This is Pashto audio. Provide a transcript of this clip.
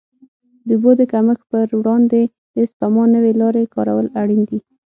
د اوبو د کمښت پر وړاندې د سپما نوې لارې کارول اړین دي.